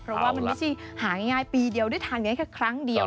เพราะว่ามันไม่ใช่หาง่ายปีเดียวได้ทานกันแค่ครั้งเดียว